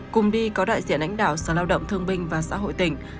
cùng đi có đại diện lãnh đạo sở lao động thương binh và xã hội tỉnh